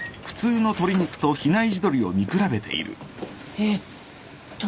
えっと。